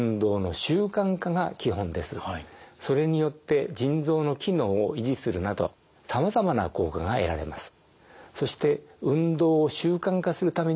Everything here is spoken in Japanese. それによって腎臓の機能を維持するなどさまざまな効果が得られます。